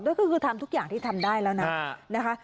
ก็คือทำทุกอย่างที่ทำได้แล้วนะนะคะ